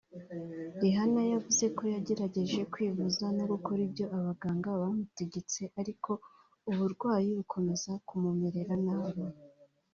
Rihanna yavuze ko yagerageje kwivuza no gukora ibyo abaganga bamutegetse ariko uburwayi bukomeza kumumerera nabi